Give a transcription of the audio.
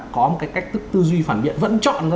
có một cái cách tư duy phản biện vẫn chọn